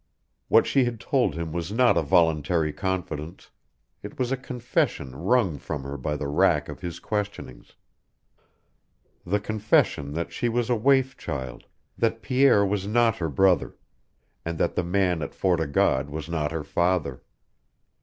What she had told him was not a voluntary confidence; it was a confession wrung from her by the rack of his questionings the confession that she was a waif child, that Pierre was not her brother, and that the man at Fort o' God was not her father.